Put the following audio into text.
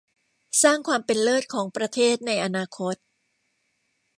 สร้างความเป็นเลิศของประเทศในอนาคต